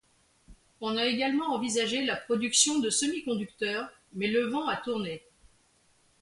On a également envisagé la production de semi-conducteurs, mais le vent a tourné.